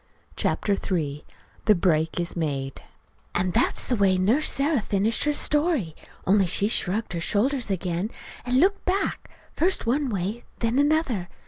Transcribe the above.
CHAPTER III THE BREAK IS MADE And that's the way Nurse Sarah finished her story, only she shrugged her shoulders again, and looked back, first one way, then another.